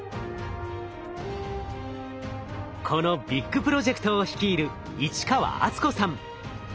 このビッグプロジェクトを率いる市川温子さん。